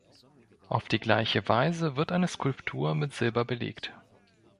Auf die gleiche Weise wird eine Skulptur mit Silber belegt.